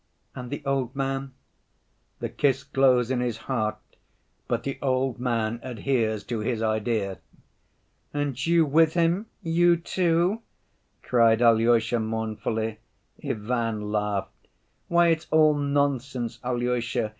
"And the old man?" "The kiss glows in his heart, but the old man adheres to his idea." "And you with him, you too?" cried Alyosha, mournfully. Ivan laughed. "Why, it's all nonsense, Alyosha.